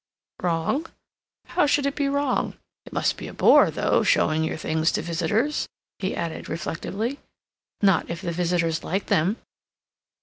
"Wrong? How should it be wrong? It must be a bore, though, showing your things to visitors," he added reflectively. "Not if the visitors like them."